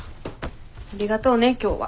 ありがとうね今日は。